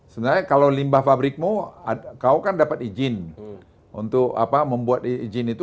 sebenarnya kalau limbah pabrikmu kau kan dapat izin untuk membuat izin itu